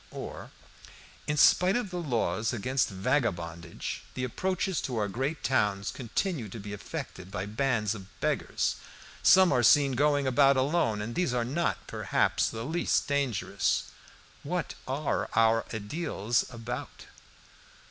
Or "In spite of the laws against vagabondage, the approaches to our great towns continue to be infected by bands of beggars. Some are seen going about alone, and these are not, perhaps, the least dangerous. What are our ediles about?"